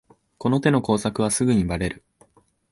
この手の工作はすぐにバレる